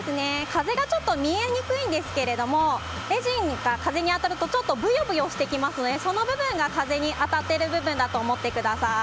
風が見えにくいんですがレジンが風に当たるとぶよぶよしてきますのでその部分が風に当たっている部分だと思ってください。